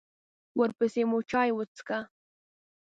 ورپسې مو چای وڅښه.